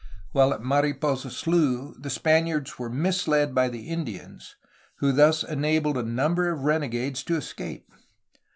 While at Mariposa Slough, the Spaniards were mis led by the Indians, who thus enabled a number of renegades to escape.